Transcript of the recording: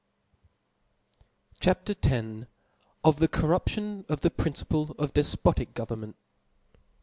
CHAP. X. Of the Corruption of the Principle ofdeffotic •' Go'^ernment.